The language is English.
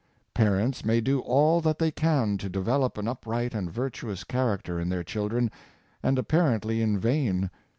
Parents may do all that they can to develop an upright and virtuous character in their children, and apparently in vain.